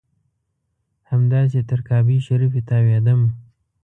همداسې تر کعبې شریفې تاوېدم.